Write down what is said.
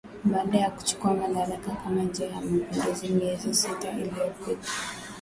baada ya kuchukua madaraka kwa njia ya mapinduzi miezi sita iliyopita